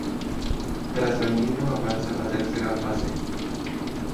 Trasandino avanza a la tercera fase.